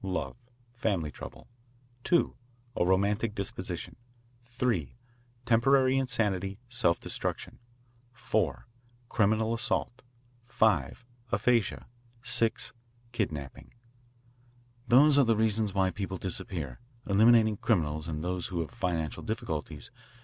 Love, family trouble. 2.A romantic disposition. 3.Temporary insanity, self destruction. 4.Criminal assault. 5.Aphasia. 6.Kidnapping. "Those are the reasons why people disappear, eliminating criminals and those who have financial difficulties.